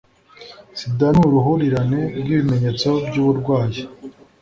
sida ni uruhurirane rw’ibimenyetso by’uburwayi